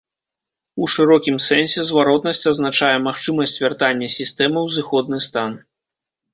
У шырокім сэнсе зваротнасць азначае магчымасць вяртання сістэмы ў зыходны стан.